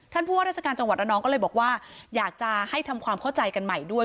ผู้ว่าราชการจังหวัดระนองก็เลยบอกว่าอยากจะให้ทำความเข้าใจกันใหม่ด้วย